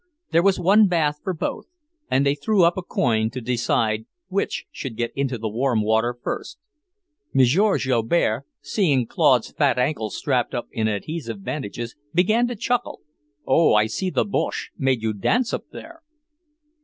There was one bath for both, and they threw up a coin to decide which should get into the warm water first. M. Joubert, seeing Claude's fat ankle strapped up in adhesive bandages, began to chuckle. "Oh, I see the Boche made you dance up there!"